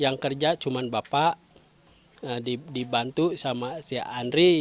yang kerja cuma bapak dibantu sama si andri